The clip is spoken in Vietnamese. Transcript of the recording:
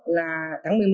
là tháng một mươi một